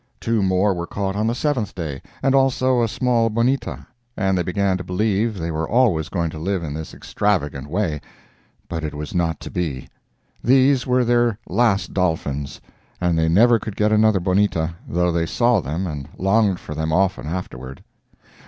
Two more were caught on the seventh day, and also a small bonita, and they began to believe they were always going to live in this extravagant way, but it was not to be—these were their last dolphins, and they never could get another bonita, though they saw them and longed for them often afterward.